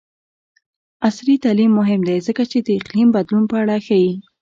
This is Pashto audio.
عصري تعلیم مهم دی ځکه چې د اقلیم بدلون په اړه ښيي.